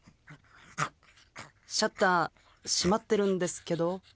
シャッター閉まってるんですけど。